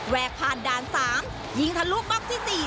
แวกผ่านด้านสามยิงทะลุบล็อกที่สี่